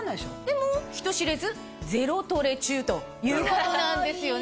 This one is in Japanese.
でも人知れず「ゼロトレ中」ということなんですよね。